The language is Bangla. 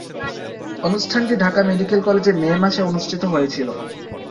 অনুষ্ঠানটি ঢাকা মেডিকেল কলেজে মে মাসে অনুষ্ঠিত হয়েছিলো।